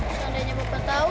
seandainya bapak tahu